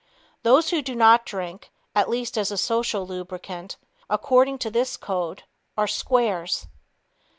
Those who do not drink, at least as a social lubricant, according to this code, are "squares."